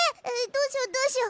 どうしよどうしよ！